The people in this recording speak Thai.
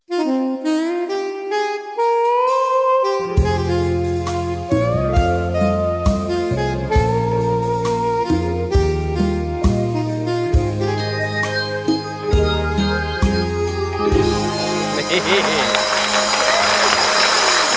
อยู่รี่หลังห่างที่ห้อง